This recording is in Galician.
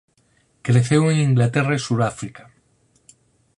Creceu en Inglaterra e Suráfrica.